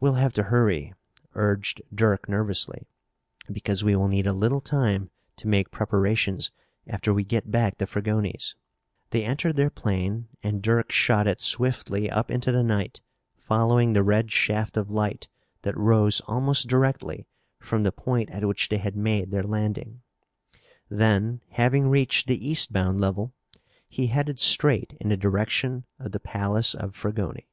"We'll have to hurry," urged Dirk nervously, "because we will need a little time to make preparations after we get back to Fragoni's." They entered their plane and Dirk shot it swiftly up into the night, following the red shaft of light that rose almost directly from the point at which they had made their landing. Then, having reached the eastbound level, he headed straight in the direction of the palace of Fragoni.